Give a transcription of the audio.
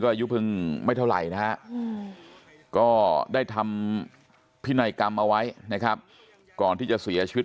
อายุเพิ่งไม่เท่าไหร่นะฮะก็ได้ทำพินัยกรรมเอาไว้นะครับก่อนที่จะเสียชีวิต